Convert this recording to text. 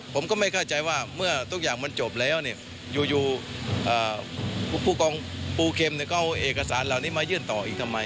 ผมก็ไม่เข้าใจว่าเมื่อทุกอย่างมันจบแล้วเนี่ยอยู่ผู้กองปูเข็มก็เอาเอกสารเหล่านี้มายื่นต่ออีกทำไม